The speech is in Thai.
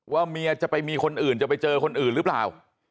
เมียจะไปมีคนอื่นจะไปเจอคนอื่นหรือเปล่า